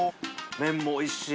麺もおいしい。